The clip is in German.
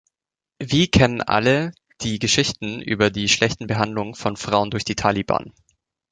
Wie kennen alle die Geschichten über die schlechte Behandlung von Frauen durch die Taliban.